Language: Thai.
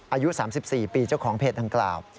อายุ๓๔ปีเจ้าของเพจดังกล่าว